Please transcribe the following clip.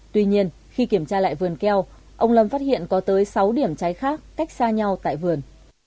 tuy nhiên khi kiểm tra lại vườn keo ông lâm phát hiện có tới sáu điểm cháy khác cách xa nhau tại vườn